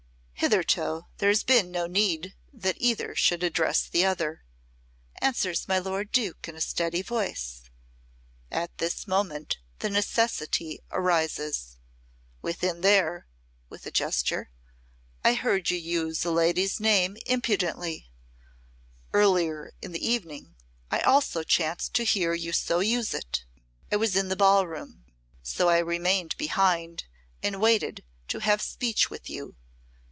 "Hitherto there has been no need that either should address the other," answers my lord Duke in a steady voice. "At this moment the necessity arises. Within there" with a gesture "I heard you use a lady's name impudently. Earlier in the evening I also chanced to hear you so use it; I was in the ball room. So I remained behind and waited to have speech with you.